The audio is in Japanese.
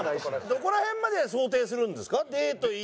どこら辺まで想定するんですか？